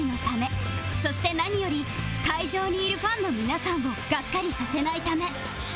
そして何より会場にいるファンの皆さんをがっかりさせないため